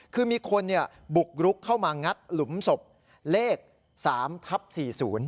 คือมีคนบุกรุกเข้ามางัดหลุมศพเลข๓ทับ๔ศูนย์